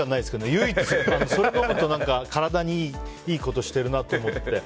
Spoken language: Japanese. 唯一、それを飲むと体にいいことしてるなと思って。